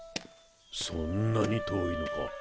そんなに遠いのか。